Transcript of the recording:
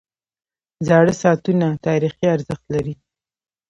• زاړه ساعتونه تاریخي ارزښت لري.